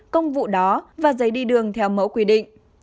công vụ đó và giấy đi đường theo mẫu quy định